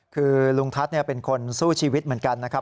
คือลุงทัศน์เป็นคนสู้ชีวิตเหมือนกันนะครับ